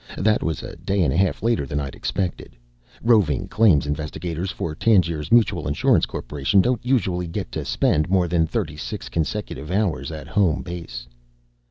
That was a day and a half later than I'd expected. Roving claims investigators for Tangiers Mutual Insurance Corporation don't usually get to spend more than thirty six consecutive hours at home base.